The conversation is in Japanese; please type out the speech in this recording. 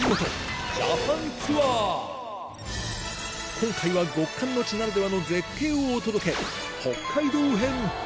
今回は極寒の地ならではの絶景をお届け北海道編